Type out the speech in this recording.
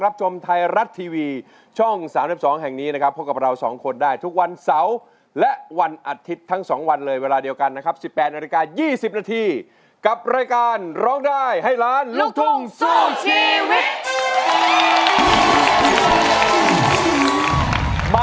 ลูกทุ่มลูกทุ่ม